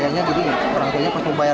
iya bisa teriak teriak dong ya